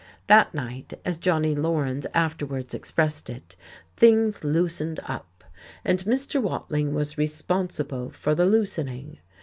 That night, as Johnnie Laurens afterwards expressed it, "things loosened up," and Mr. Watling was responsible for the loosening.